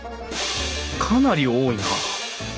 かなり多いな！